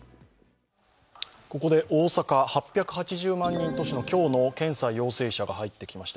ここで大阪、８８０万人都市の今日の検査陽性者数が入ってきました。